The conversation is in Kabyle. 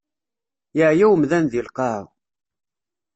Yeɛya umdan di lqaɛa.